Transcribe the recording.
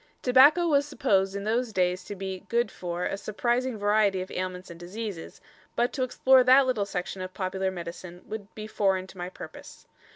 Tobacco was supposed in those days to be "good for" a surprising variety of ailments and diseases; but to explore that little section of popular medicine would be foreign to my purpose.